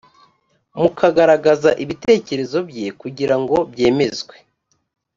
mu kugaragaza ibitekerezo bye kugira byemezwe